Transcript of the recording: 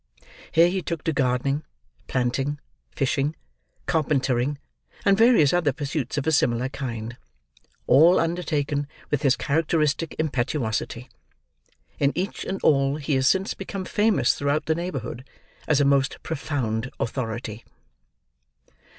Here he took to gardening, planting, fishing, carpentering, and various other pursuits of a similar kind: all undertaken with his characteristic impetuosity. In each and all he has since become famous throughout the neighborhood, as a most profound authority.